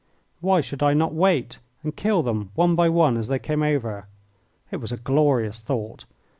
Why should I not wait and kill them one by one as they came over? It was a glorious thought.